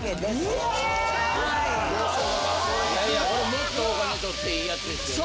・もっとお金取っていいやつですよね。